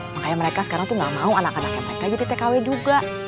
makanya mereka sekarang tuh gak mau anak anaknya mereka jadi tkw juga